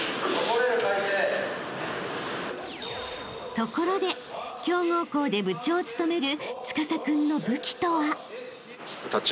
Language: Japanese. ［ところで強豪校で部長を務める］